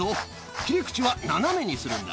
切り口は斜めにするんだ。